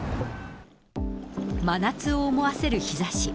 真夏を思わせる日ざし。